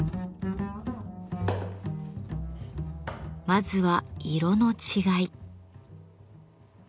まずは色の違い。